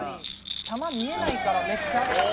「弾見えないからめっちゃ」